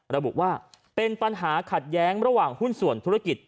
ระบุว่าเป็นปัญหาขัดแย้งระหว่างหุ้นส่วนธุรกิจ